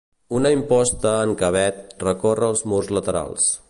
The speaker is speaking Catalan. Una imposta en cavet recorre els murs laterals.